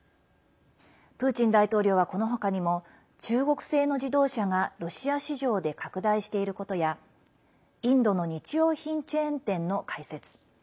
プーチン大統領は、このほかにも中国製の自動車がロシア市場で拡大していることやインドの日用品チェーン店の開設。